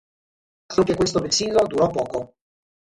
Anche questo vessillo durò poco.